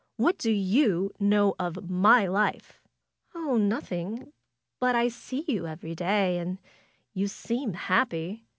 ^^What do you know of my life?" '^Oh, nothing. But I see you every day, and you seem happy.